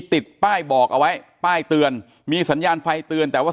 ติดป้ายบอกเอาไว้ป้ายเตือนมีสัญญาณไฟเตือนแต่ว่า